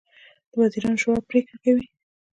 د وزیرانو شورا پریکړې کوي